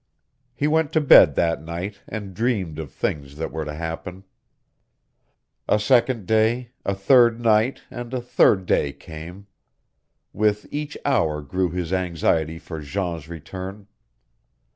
He went to bed that night, and dreamed of things that were to happen. A second day, a third night, and a third day came. With each hour grew his anxiety for Jean's return.